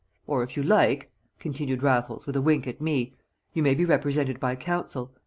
Or, if you like," continued Raffles, with a wink at me, "you may be represented by counsel.